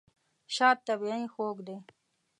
شات طبیعي خوږ دی.